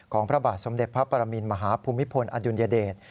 พระบาทสมเด็จพระปรมินมหาภูมิพลอดุลยเดช